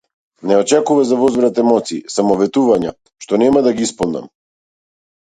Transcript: Не очекува за возврат емоции, само ветувања, што нема да ги исполнам.